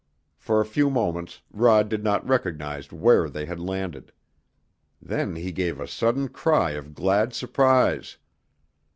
For a few moments Rod did not recognize where they had landed. Then he gave a sudden cry of glad surprise.